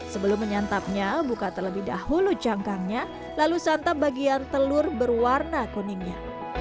sebelum menyantapnya buka terlebih dahulu cangkangnya lalu santap bagian telur berwarna kuningnya